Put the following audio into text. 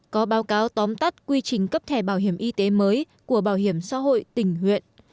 có báo cáo tóm tắt quy trình cấp thẻ bảo hiểm y tế mới của bảo hiểm xã hội tỉnh huyện